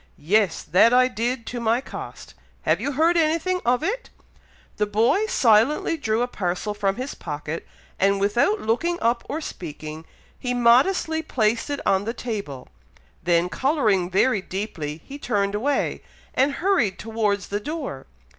"Yes! that I did, to my cost! Have you heard anything of it?" The boy silently drew a parcel from his pocket, and without looking up or speaking, he modestly placed it on the table, then colouring very deeply, he turned away, and hurried towards the door.